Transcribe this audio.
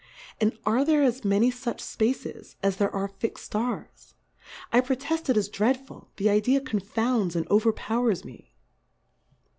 And are there as many fuch Spaces, as there are fixM Stars? I pro teft it is dreadful, the Idea confounds and overpowers me.